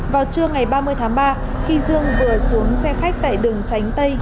vào trưa ngày ba mươi tháng ba khi dương vừa xuống xe khách tại đường tránh tây